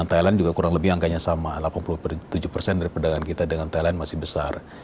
thailand juga kurang lebih angkanya sama delapan puluh tujuh persen dari perdagangan kita dengan thailand masih besar